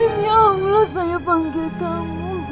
insya allah saya panggil kamu